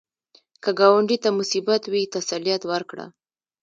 که ګاونډي ته مصیبت وي، تسلیت ورکړه